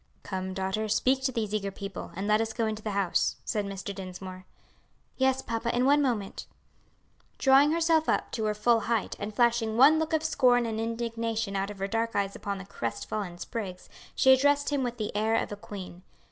"Come, daughter, speak to these eager people, and let us go into the house," said Mr. Dinsmore. "Yes, papa, in one moment." Drawing herself up to her full height, and flashing one look of scorn and indignation out of her dark eyes upon the crest fallen Spriggs, she addressed him with the air of a queen.